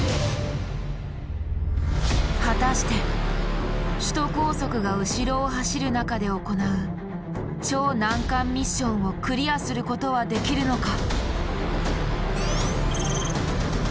果たして首都高速が後ろを走る中で行う超難関ミッションをクリアすることはできるのか。